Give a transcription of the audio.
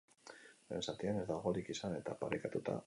Lehen zatian ez da golik izan, eta parekatua izan da.